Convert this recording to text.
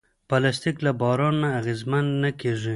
پلاستيک له باران نه اغېزمن نه کېږي.